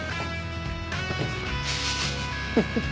フフフ。